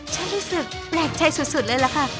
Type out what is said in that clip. ชั้นรู้สึกแปลกใจสุดเลยล่ะค่ะ